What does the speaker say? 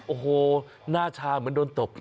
โอ้โหหน้าชาเหมือนโดนตบ